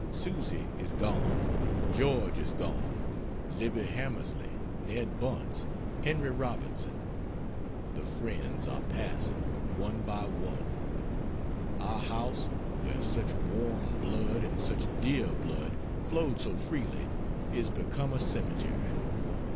Susy is gone, George is gone, Libby Hamersley, Ned Bunce, Henry Robinson. The friends are passing, one by one; our house, where such warm blood and such dear blood flowed so freely, is become a cemetery.